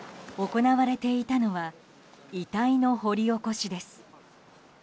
行われていたのは遺体の掘り起こしです。